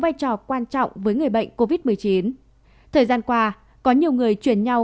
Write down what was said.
vai trò quan trọng với người bệnh covid một mươi chín thời gian qua có nhiều người chuyển nhau